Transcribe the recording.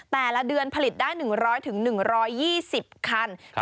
แต่ละเดือนผลิตได้หนึ่งร้อยถึงหนึ่งร้อยยี่สิบคันครับ